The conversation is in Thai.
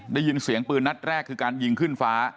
ได้ยินเสียงปืนนัดแรกคือการยิงขึ้นฟ้า